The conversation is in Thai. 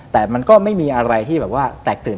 แต่มันก็ไม่มีอะไรที่แบบว่าแตกตื่น